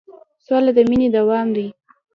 سوله د مینې دوام دی.